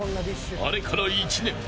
あれから１年。